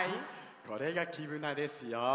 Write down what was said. これが黄ぶなですよ。